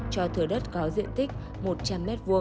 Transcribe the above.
cho thừa đất có diện tích một trăm linh m hai